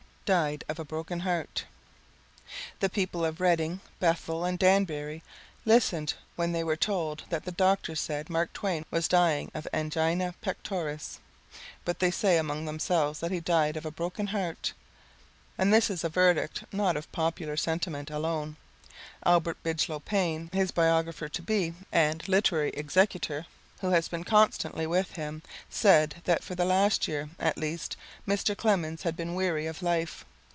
Died of a Broken Heart The people of Redding, Bethel, and Danbury listened when they were told that the doctors said Mark Twain was dying of angina pectoris. But they say among themselves that he died of a broken heart. And this is a verdict not of popular sentiment alone. Albert Bigelow Paine, his biographer to be and literary executor, who has been constantly with him, said that for the last year at least Mr. Clemens had been weary of life.